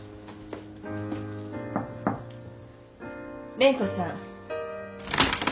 蓮子さん。